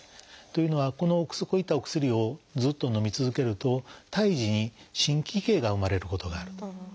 というのはこういったお薬をずっとのみ続けると胎児に心奇形が生まれることがあると。